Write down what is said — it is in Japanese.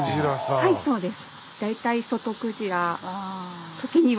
はいそうです。